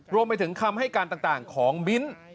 รวมไปถึงคำให้การต่างของมิ้นท์